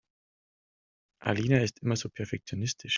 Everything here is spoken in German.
Alina ist immer so perfektionistisch.